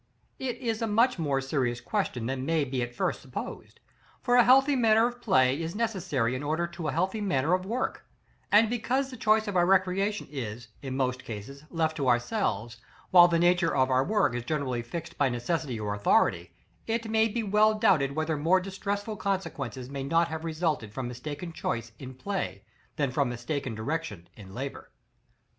§ XXIV. It is a much more serious question than may be at first supposed; for a healthy manner of play is necessary in order to a healthy manner of work: and because the choice of our recreation is, in most cases, left to ourselves, while the nature of our work is generally fixed by necessity or authority, it may be well doubted whether more distressful consequences may not have resulted from mistaken choice in play than from mistaken direction in labor.